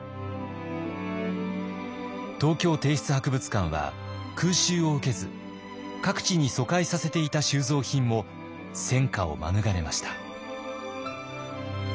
東京帝室博物館は空襲を受けず各地に疎開させていた収蔵品も戦火を免れました。